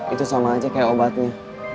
itu sama aja kayak obatnya